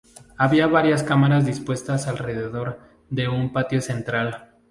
Había varias cámaras dispuestas alrededor de un patio central.